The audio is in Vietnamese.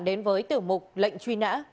đến với tiểu mục lệnh truy nã